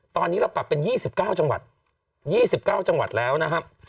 ตอนนี้เราปรับเป็น๒๙จังหวัด๒๙จังหวัดแล้วนะครับ